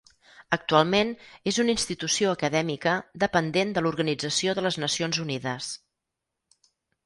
Actualment és una institució acadèmica dependent de l'Organització de les Nacions Unides.